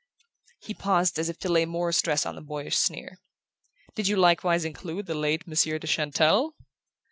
He paused, as if to lay more stress on the boyish sneer: "Do you likewise include the late Monsieur de Chantelle?"